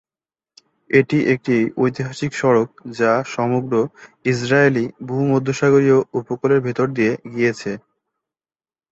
এটি একটি ঐতিহাসিক সড়ক যা সমগ্র ইসরায়েলি ভূমধ্যসাগরীয় উপকূলের ভেতর দিয়ে গিয়েছে।